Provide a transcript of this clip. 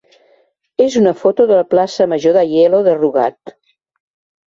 és una foto de la plaça major d'Aielo de Rugat.